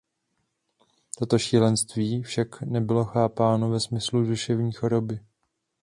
Toto „šílenství“ však nebylo chápáno ve smyslu duševní choroby.